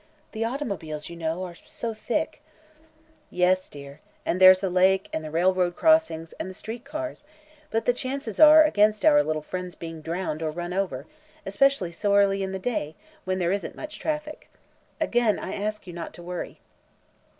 The automobiles, you know, are so thick " "Yes, dear; and there's the lake, and the railroad crossings, and the street cars; but the chances are against our little friend's being drowned or run over, especially so early in the day, when there isn't much traffic. Again I ask you not to worry."